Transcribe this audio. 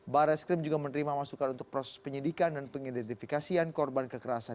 barreskrim juga menerima masukan untuk proses penyidikan dan pengidentifikasian korban kekerasan